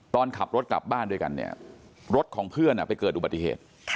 ตอนขับรถกลับบ้านด้วยกันเนี่ยรถของเพื่อนไปเกิดอุบัติเหตุ